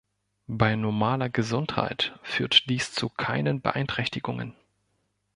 Bei normaler Gesundheit führt dies zu keinen Beeinträchtigungen.